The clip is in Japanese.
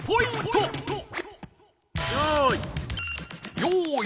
よい。